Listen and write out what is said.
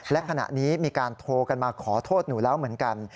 และขณะนี้มีการโทรกันมาขอโทษหนูแล้วเหมือนกัน